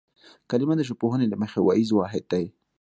کلمه د ژبپوهنې له مخې وییز واحد دی